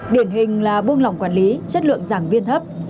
điển hình là buông lỏng quản lý chất lượng giảng viên thấp